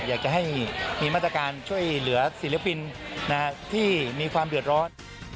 อยากจะให้มีมาตรการช่วยเหลือศิลปินที่มีความเดือดร้อน